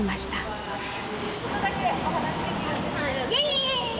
ちょっとだけお話できるイエイ！